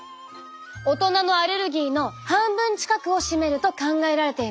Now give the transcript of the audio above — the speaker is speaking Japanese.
大人のアレルギーの半分近くを占めると考えられています。